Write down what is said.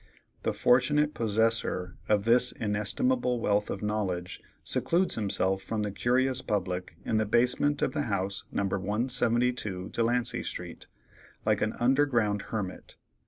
The fortunate possessor of this inestimable wealth of knowledge secludes himself from the curious public in the basement of the house No. 172 Delancey street, like an underground hermit.